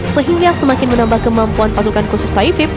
sehingga semakin menambah kemampuan pasukan khusus taifib